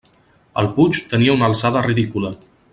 El puig tenia una alçada ridícula.